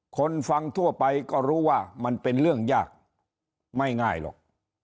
คนฟังทั่วไปก็รู้ว่ามันเป็นเรื่องยากไม่ง่ายหรอก